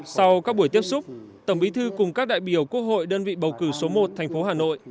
sau các buổi tiếp xúc tổng bí thư cùng các đại biểu quốc hội đơn vị bầu cử số một thành phố hà nội